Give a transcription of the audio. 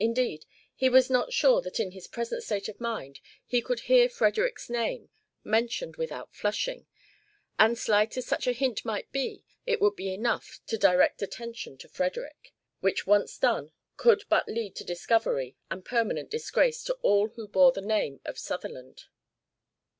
Indeed, he was not sure that in his present state of mind he could hear Frederick's name mentioned without flushing, and slight as such a hint might be, it would be enough to direct attention to Frederick, which once done could but lead to discovery and permanent disgrace to all who bore the name of Sutherland.